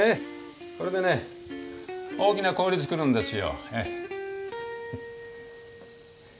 これでね大きな氷作るんですよ。